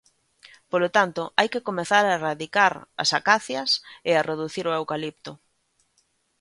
Polo tanto, hai que comezar a erradicar as acacias e a reducir o eucalipto.